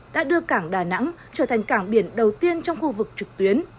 đã đưa cảng đà nẵng trở thành cảng biển đầu tiên trong khu vực trực tuyến